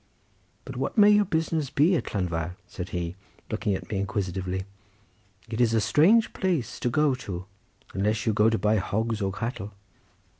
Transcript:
But what may your business be at Llanfair?" said he looking at me inquisitively. "It is a strange place to go to, unless you go to buy hogs or cattle."